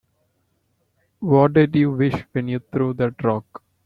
What'd you wish when you threw that rock?